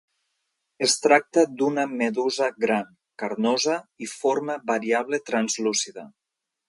Es tracta d'una medusa gran, carnosa i forma variable translúcida.